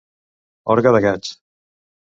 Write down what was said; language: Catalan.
Orgue de gats.